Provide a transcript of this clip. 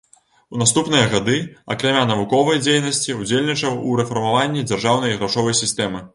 У наступныя гады, акрамя навуковай дзейнасці ўдзельнічаў у рэфармаванні дзяржаўнай грашовай сістэмы.